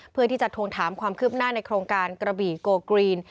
เพื่อที่จะทวงถามความคืบหน้าในโครงการกระบี่โกกรีน